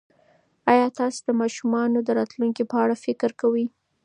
ایا تاسي د ماشومانو د راتلونکي په اړه فکر کوئ؟